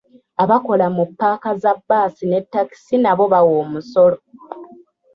Abakola mu ppaaka za bbaasi ne ttakisi nabo bawa omusolo.